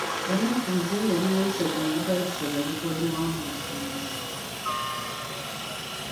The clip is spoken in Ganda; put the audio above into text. Ebimu ku bizimbe ebimeruse ku mbuga y’essaza bikolerwamu busuubuzi.